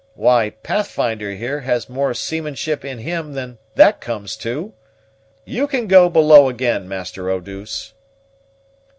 Why, Pathfinder, here, has more seamanship in him than that comes to. You can go below again, Master Eau douce."